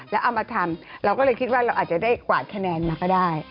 แล้วเอามาทำเราก็เลยคิดว่าเราอาจจะได้กวาดคะแนนมาก็ได้